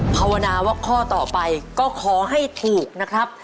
ภาวนาว่าข้อต่อไปก็ขอให้ถูกนะครับ